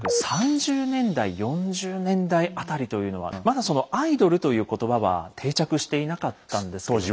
１９３０年代４０年代辺りというのはまだその「アイドル」という言葉は定着していなかったんですけど。